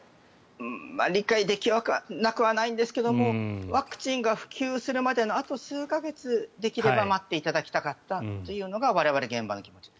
理解できなくはないんですけどもワクチンが普及するまでのあと数か月できれば待っていただきたかったというのが我々、現場の気持ちです。